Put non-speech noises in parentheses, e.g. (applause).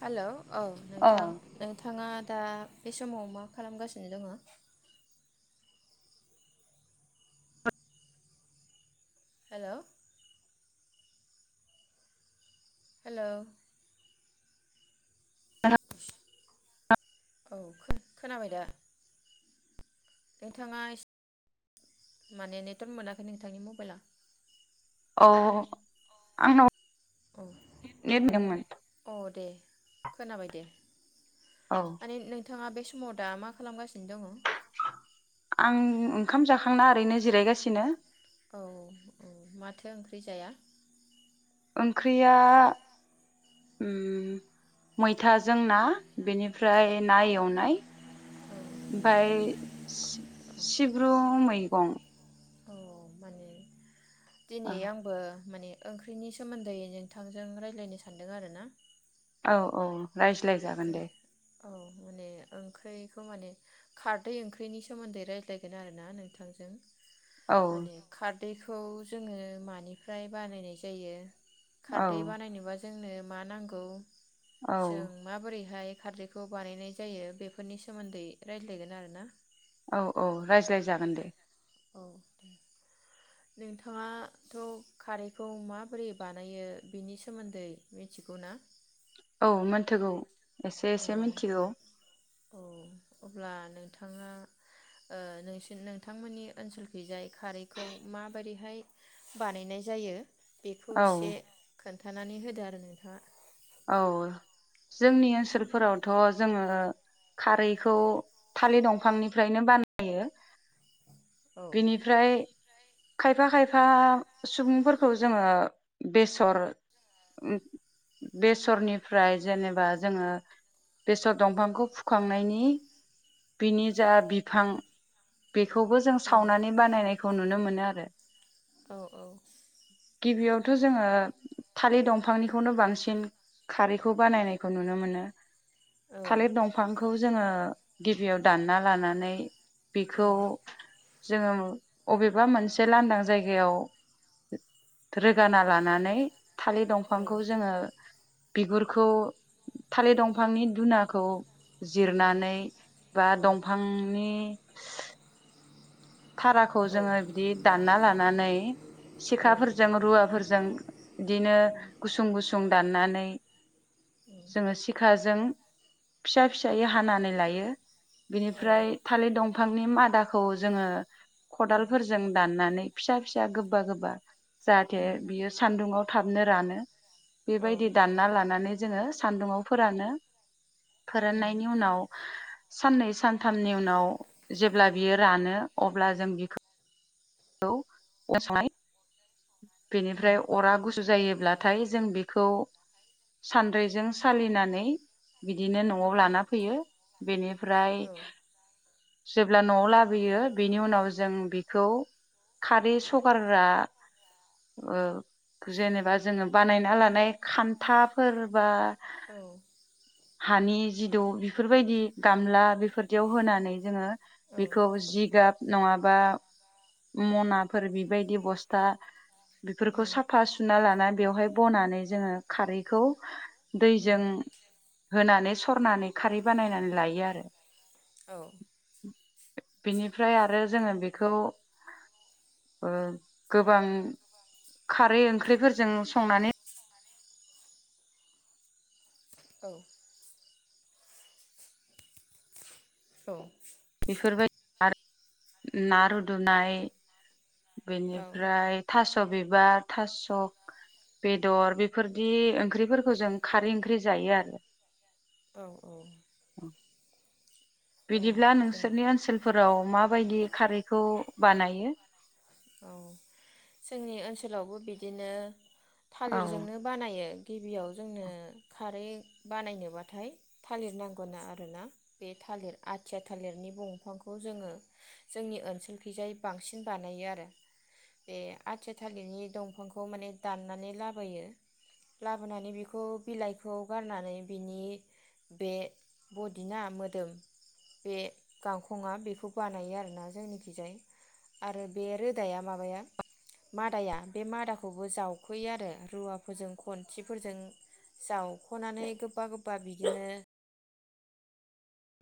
Hello. औ नोंथां नोंथाङा दा बे समाव मा खालामगासिनो दङ? हेल'। हेलौ। स औ खो खोनाबाय दा? नोंथाङा इस माने नेटवर्क मोनाखै नोंथांनि मबाइला। औ आंनाव नेट नांदोंमोन औ अ दे। खोनाबाय दे। औ माने नोंथाङा बे सम समाव दा मा खालामगासिनो? दङ औ आं ओं ओंखाम जाखांना ओरैनो जिरायगासिनो। औ औ माथो ओंख्रि जाया? ओंख्रिया उम मैथाजों ना बेनिफ्राय ना एवनाय ओमफ्राय सि-सिब्रु मैगं। औ माने दिनै आंबो माने ओंख्रिनि सोमोन्दै नोंथांजों रायलायनो सान्दों आरो ना। औ औ। रायज्लायजागोन दे। औ माने ओंख्रिखौ माने खारदै ओंख्रिनि सोमोन्दै रायज्लायगोन आरोना नोंथांजों। औ माने खारदै। दैखौ जोङो मानिफ्राय बानायनाय जायो। औ खारदै बानायनोबा जोंनो मा नांगौ। औ। बोरैहाय खारदैखौ बानायनाय जायो बेफोरनि सोमोन्दै रायज्लायगोन आरोना। औ औ रायज्लायजागोन दे। औ दे। नोंथाङाथ' खारैखौ माबोरै बानायो बेनि सोमोन्दै मिथिगौ ना? औ मोनथिगौ। एसे एसे मिनथिगौ। अ अब्ला नोंथाङा ओ नोंसि नोंथांमोननि ओनसोलखैजाय खारैखौ माबायदिहाय बानायनाय जायो? बेखौ औ एसे खोनथ थानानै होदो आरो नोंथाङा औ जोंनि ओनसोलफोरावथ' जोङो खारैखौ थालिर दंफांनिफ्रायनो बानायो औ बिनिफ्राय खायफा खाय फा सुबुंफोरखौ जोङो बेसर बेसरनिफ्राय जेनेबा जोङो बेसर दंफांखौ फुखांनायनि बिनि जा बिफां बेखौबो औ सावनानै बानायनायखौ नुनो मोनो आरो। औ गिबियाव थ' जोङो थालिर दंफांनिखौनो बांसिन खारैखौ बानायनायखौ नुनो मोनो। औ थालिर दंफांखौ जोङो गिबियाव दानना लानानै औ बेखौ औ औ जोङो अबेबा मोनसे लांदां जायगायाव रोगाना लानानै थालिर दंफांखौ जोङो बिगुरखौ थालिर दंफांनि दुनाखौ जिरनानै औ बा दंफांनि थाराखौ जोङो बिदि दानना लानानै सिखाफोरजों रुवाफोरजों बिदिनो गुसुं गुसुं दाननानै जोङो सिखा जों फिसा फिसायै हानानै लायो बिनिफ्राय थालिर दं फांनि मादाखौ जोङो खदालफोरजों दाननानै फिसा फिसा गोबा गोबा जाहाथे बियो सान्दुंङाव थाबनो रानो बेबायदि दानना लानानै जोङो सान्दुङाव फोरानो फोराननायनि उनाव साननै सानथामनि उनाव जेब्ला बियो रानो अब्ला जों बिखौ (unintelligible) बेनिफ्राय अरा गुसु जायो ब्लाथाय जों बेखौ सानद्रैजों सालिनानै बि दिनो न'आव लाना फैयो बेनि फ्राय जेब्ला न'आव लाबोयो बेनि उनाव जों बेखौ खारै सगारग्रा ओ जेनेबा जोङो बानायना लानाय खान्थाफोर बा हानि जिदौ बेफोरबायदि गामला बेफोरदियाव होनानै जोङो बेखौ जिगाब नङाबा मनाफोर बेबायदि बस्था बेफोरखौ साफा सुना लानानै बेवहाय बनानै जोङो खारैखौ दैजों होनानै सरनानै खारै बानायनानै लायो आरो बिनिफ्राय आरो जोङो बेखौ ओ गोबां खारै ओंख्रिफोरजों संनानै औ। औ। बेफोरबायदि आरो ना रुदुबनाय बेनिफ्राय थास' स' बिबार थास' बेदर बेफोरदि ओंख्रिफोरखौ जों खारै ओंख्रि जायो आरो। औ औ। बिदिब्ला नोंसोरनि ओनसोलफोराव माबायदि खारैखौ बानायो औ जोंनि ओनसोलावबो बिदिनो औ थालिरजोंनो बानायो। गिबियाव जोंनो खारै बानायनोबाथाय थालिर नांगौना आरो ना बे थालिर आथिया थालिरनि दंफांखौ जोङो जोंनि ओनसोलखैजाय बांसिन बानायो आरो। बे आथिया थालिरनि दंफांखौ माने दाननानै लाबोयो लाबोनानै बेखौ बिलाइखौ गारनानै बिनि बे बदि ना मोदोम बे गांखङा बेखौ बानायो आरोना जोंनिखिजाय आरो बे रोद रोदाया माबाया मादाया बे मादाखौबो जावख'यो आरो रुवाफोरजों खन्थिफोरजों जावख'नानै गोबा गोबबा बिदिनो